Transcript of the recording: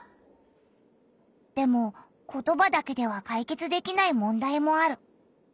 でも言葉だけではかいけつできない問題もある。